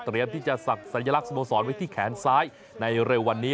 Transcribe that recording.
เตรียมที่จะสั่งสัญลักษณ์สมสรรค์ไว้ที่แขนซ้ายในเร็ววันนี้